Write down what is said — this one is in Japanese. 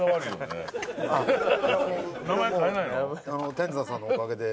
天山さんのおかげで。